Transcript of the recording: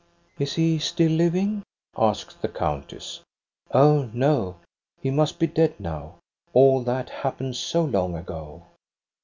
" "Is he still living? " asks the countess. " Oh, no, he must be dead now. All that happened so long ago.